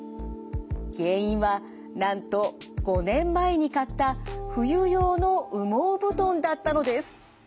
原因はなんと５年前に買った冬用の羽毛布団だったのです。